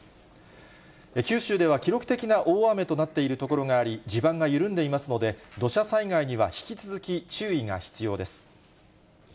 九州では記録的な大雨となっている所があり、地盤が緩んでいますので、土砂災害には引き続き注意が必要です。